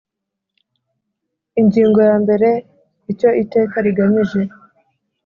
Ingingo ya mbere Icyo iteka rigamije